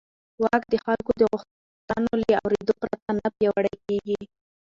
واک د خلکو د غوښتنو له اورېدو پرته نه پیاوړی کېږي.